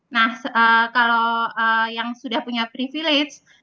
nah kalau yang sudah punya privilege